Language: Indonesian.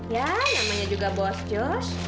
ya namanya juga bos josh